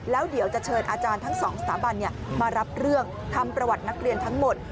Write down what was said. แล้วเดี๋ยวจะเชิญอาจารย์ทั้งสองสถาบันมารับเรื่องทำประวัตินักเรียนทั้งหมด